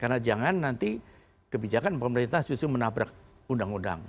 karena jangan nanti kebijakan pemerintah susu menabrak undang undang